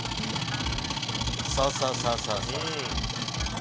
そうそうそうそうそう。